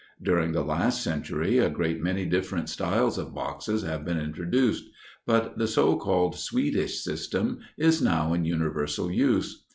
During the last century a great many different styles of boxes have been introduced, but the so called Swedish system is now in universal use.